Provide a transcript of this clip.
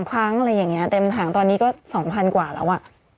ครั้งอะไรอย่างนี้เต็มถังตอนนี้ก็๒๐๐กว่าแล้ว